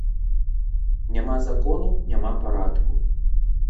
Няма закону, няма парадку.